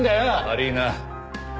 悪いな。